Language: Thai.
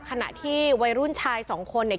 ขณะที่วัยรุ่นชายสองคนเนี่ย